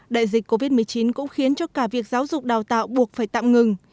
đại dịch covid một mươi chín cũng khiến cho cả việc giáo dục đào tạo buộc phải tạm ngừng